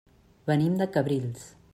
Venim de Cabrils.